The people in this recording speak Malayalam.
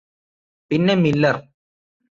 പിന്നെ മില്ലെർ